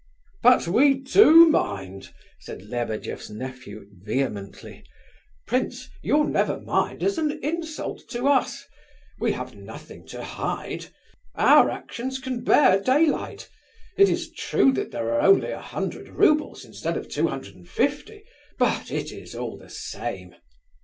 "But we do mind," said Lebedeff's nephew vehemently. "Prince, your 'never mind' is an insult to us. We have nothing to hide; our actions can bear daylight. It is true that there are only a hundred roubles instead of two hundred and fifty, but it is all the same."